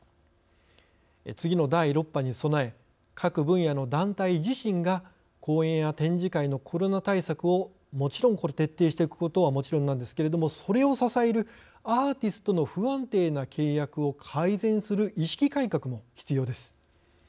次の第６波に備え各分野の団体自身が公演や展示会のコロナ対策をもちろんこれ徹底していくことはもちろんなんですけれどもそれを支えるアーティストの不安定な契約を改善する意識改革も必要です。